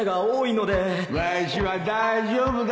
わしは大丈夫だ